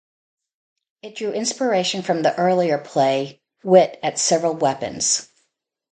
It drew inspiration from the earlier play "Wit at Several Weapons".